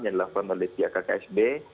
yang dilakukan oleh pihak kksb